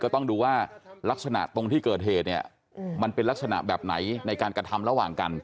ต้องดูว่าลักษณะตรงที่เกิดเหตุเนี่ยมันเป็นลักษณะแบบไหนในการกระทำระหว่างกัน